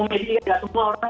umedia gak semua orang